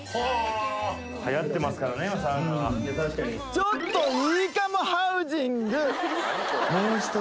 ちょっといいかもハウジング！